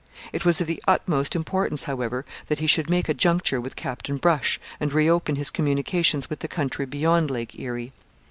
It was of the utmost importance, however, that he should make a juncture with Captain Brush and reopen his communications with the country beyond Lake Erie.